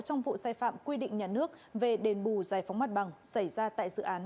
trong vụ sai phạm quy định nhà nước về đền bù giải phóng mặt bằng xảy ra tại dự án